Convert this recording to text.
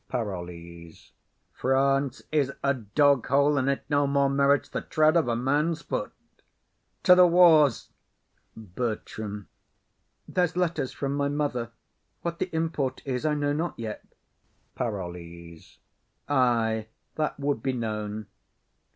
PAROLLES. France is a dog hole, and it no more merits The tread of a man's foot: to the wars! BERTRAM. There's letters from my mother; what th' import is I know not yet. PAROLLES. Ay, that would be known.